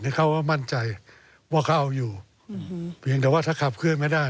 เขาก็มั่นใจว่าเขาเอาอยู่เพียงแต่ว่าถ้าขับเคลื่อนไม่ได้